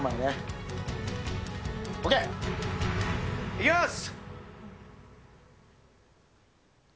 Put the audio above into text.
いきます。